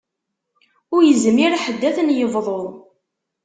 Ur yezmir ḥedd ad ten-yebḍu.